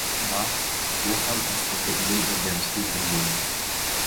Bahs – bu ham aslida ilm o‘rganishning bir yo‘li.